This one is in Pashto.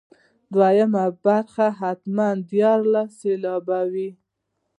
دوهمه برخه یې حتما دیارلس سېلابه وي.